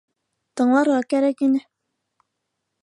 Тыңларға кәрәк ине.